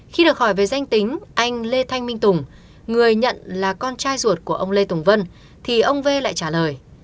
khi được hỏi về danh tính anh lê thanh minh tùng người nhận là con trai ruột của ông lê tùng vân thì ông v lại trả lời